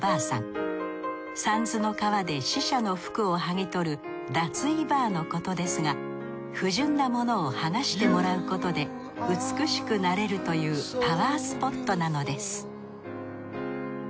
三途の川で死者の服を剥ぎ取る脱衣婆のことですが不純な物を剥がしてもらうことで美しくなれるというパワースポットなのです。